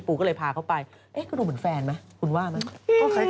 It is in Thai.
ปูก็เลยพาเขาไปนี่คุณเหมือนแฟนไหมคุณว่ะไหม